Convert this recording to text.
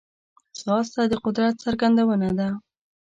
ځغاسته د قدرت څرګندونه ده